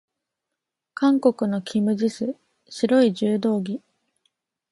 韓国のキム・ジス、白い柔道着。